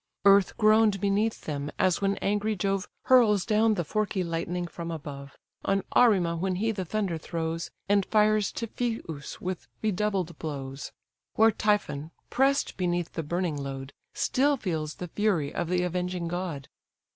Earth groan'd beneath them; as when angry Jove Hurls down the forky lightning from above, On Arimé when he the thunder throws, And fires Typhœus with redoubled blows, Where Typhon, press'd beneath the burning load, Still feels the fury of the avenging god.